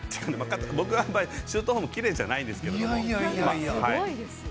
僕はあまりシュートフォームきれいじゃないんですけど。